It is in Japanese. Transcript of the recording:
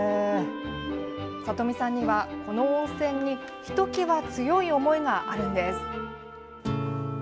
さとみさんには、この温泉にひときわ強い思いがあるんです。